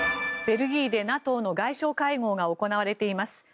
ベルギーでＮＡＴＯの外相会合が行われています。